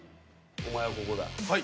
お前はここだ。